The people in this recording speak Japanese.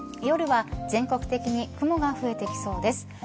夜は全国的に雲が増えてきそうです。